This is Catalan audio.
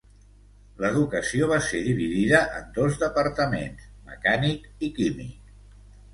L'educació va ser dividida en dos departaments: mecànic i químic.